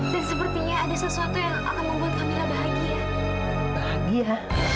dan sepertinya ada sesuatu yang akan membuat kamila bahagia